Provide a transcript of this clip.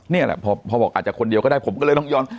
นี่แหละพอบอกอาจจะคนเดียวก็ได้ผมก็เลยต้องย้อน